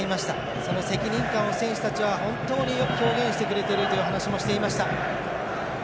その責任感を選手たちは本当に表現してくれているという話もしていました。